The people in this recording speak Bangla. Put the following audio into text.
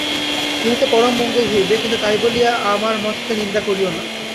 ইহাতে পরম মঙ্গল হইবে, কিন্তু তাই বলিয়া আমার মতকে নিন্দা করিও না।